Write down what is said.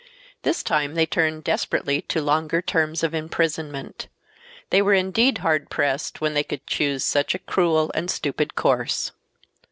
This time they turned desperately to longer terms of imprisonment. They were indeed hard pressed when they could choose such a cruel and stupid course.